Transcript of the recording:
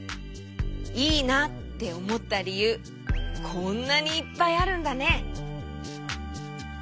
いいなっておもったりゆうこんなにいっぱいあるんだね。